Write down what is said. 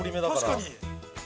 ◆確かに。